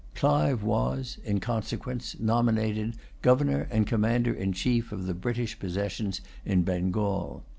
Clive was in consequence nominated Governor and Commander in chief of the British possessions in Bengal.